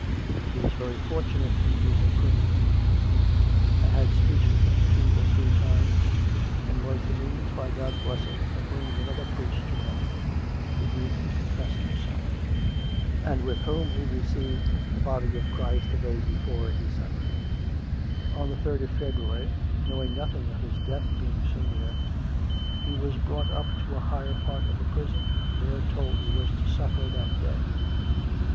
He was very fortunate in his imprisonment. I had speech with him two or three times and was the means, by God's blessing, of bringing another priest to him, to whom he COME RACK! COME ROPE! 103 confessed himself; and with whom he received the Body of Christ a day before he suffered. "' On the third of February, knowing nothing of his death being so near, he was brought up to a higher part of the prison, and there told he was to suffer that day.